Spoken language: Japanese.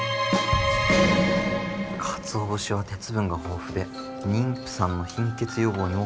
かつお節は鉄分が豊富で妊婦さんの貧血予防にも効果的と。